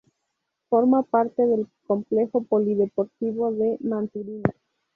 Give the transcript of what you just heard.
Forma parte del Complejo Polideportivo de Maturín.